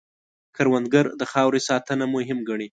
کروندګر د خاورې ساتنه مهم ګڼي